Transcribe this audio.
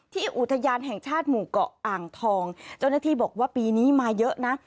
อุทยานแห่งชาติหมู่เกาะอ่างทองเจ้าหน้าที่บอกว่าปีนี้มาเยอะนะ